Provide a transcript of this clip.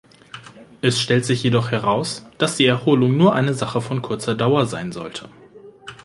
Es stellt sich jedoch heraus, dass die Erholung nur eine Sache von kurzer Dauer sein sollte.